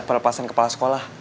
perlepasan kepala sekolah